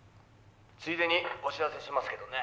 「ついでにお知らせしますけどね」